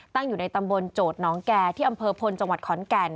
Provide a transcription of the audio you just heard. อยู่ในตำบลโจทย์น้องแก่ที่อำเภอพลจังหวัดขอนแก่น